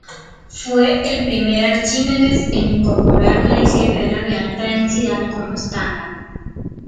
Fue el primer Archimedes en incorporar una disquetera de Alta Densidad como estándar.